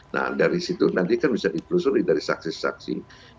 nah dari situ nanti kan bisa ditelusuri dari saksi saksi